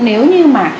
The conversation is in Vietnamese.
nếu như mà